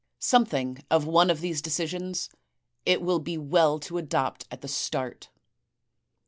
* Something of one of these decisions it will be well to adopt at the start.